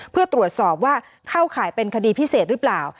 เพื่อตรวจสอบว่าเข้าข่ายเป็นคดีพิเศษหรือเปล่า